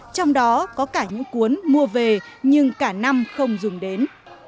trong đó có cả những cuốn mua về nhưng cả năm không dùng đến